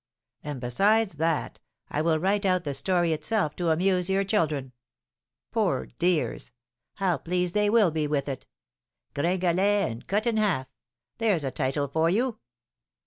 And, besides that, I will write out the story itself to amuse your children. Poor dears! How pleased they will be with it! 'Gringalet and Cut in Half,' there's a title for you!